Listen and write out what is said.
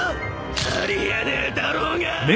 あり得ねえだろうが！